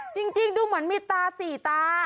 จริงดูเหมือนมีตาสี่ตา